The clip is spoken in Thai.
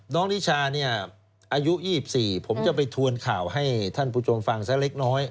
นิชาเนี่ยอายุ๒๔ผมจะไปทวนข่าวให้ท่านผู้ชมฟังซะเล็กน้อย